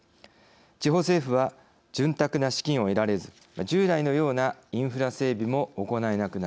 地方政府は潤沢な資金を得られず従来のようなインフラ整備も行えなくなります。